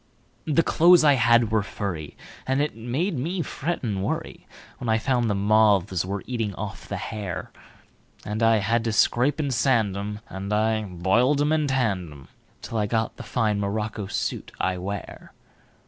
The clothes I had were furry, And it made me fret and worryWhen I found the moths were eating off the hair; And I had to scrape and sand 'em, And I boiled 'em and I tanned 'em, Till I got the fine morocco suit I wear.